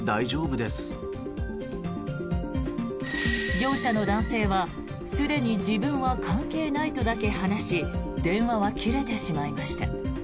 業者の男性はすでに自分は関係ないとだけ話し電話は切れてしまいました。